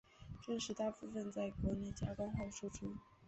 钻石大部份在国内加工后输出。